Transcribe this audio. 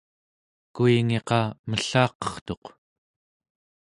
kuingiqa mellaqertuq